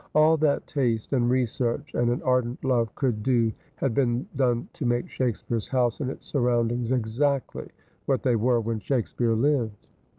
All that taste, and research, and an ardent love could do had been done to make Shakespeare's house and its surroundings exactly what they were when Shakespeare lived.